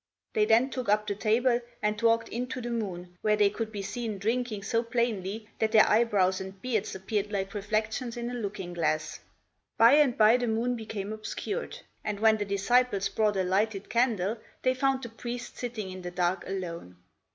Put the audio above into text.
They then took up the table and walked into the moon where they could be seen drinking so plainly, that their eyebrows and beards appeared like reflections in a looking glass. By and by the moon became obscured; and when the disciples brought a lighted candle they found the priest sitting in the dark alone.